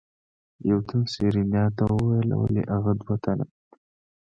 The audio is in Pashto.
يو تن سېرېنا ته وويل ولې اغه دوه تنه.